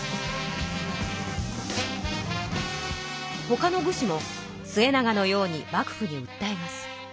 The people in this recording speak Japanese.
ほかの武士も季長のように幕府にうったえます。